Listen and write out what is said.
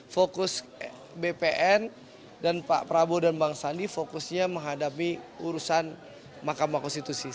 fokus bpn dan pak prabowo dan bang sandi fokusnya menghadapi urusan mahkamah konstitusi